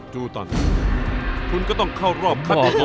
ดูตอนนี้คุณก็ต้องเข้ารอบคันดีกว่า